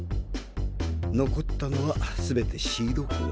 残ったのは全てシード校。